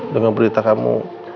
dengan berita kamu